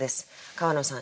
川野さん